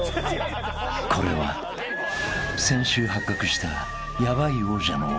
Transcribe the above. ［これは先週発覚したヤバい王者のお話］